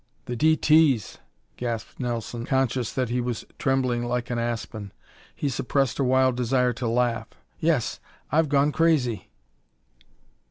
"The D. T's!" gasped Nelson, conscious that he was trembling like an aspen. He suppressed a wild desire to laugh. "Yes, I've gone crazy!"